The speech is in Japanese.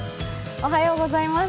おはようございます。